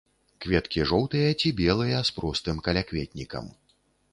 Кветкі жоўтыя ці белыя з простым калякветнікам.